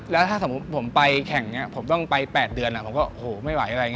แล้วถ้าสมมุติผมไปแข่งผมต้องไป๘เดือนผมก็ไม่ไหว